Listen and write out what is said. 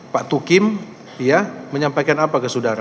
pak tukim menyampaikan apa ke saudara